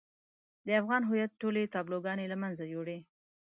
د افغان هويت ټولې تابلوګانې له منځه يوړې.